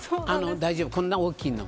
大丈夫、こんな大きいの。